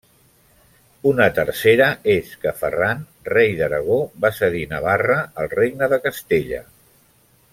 Una tercera és que Ferran, Rei d'Aragó, va cedir Navarra al Regne de Castella.